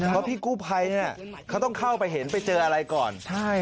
เพราะพี่กู้ภัยเขาต้องเข้าไปเห็นไปเจออะไรก่อน